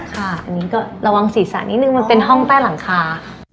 ค่ะอันนี้ก็ระวังศีรษะนิดนึงมันเป็นห้องใต้หลังคา